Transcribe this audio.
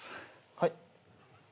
はい。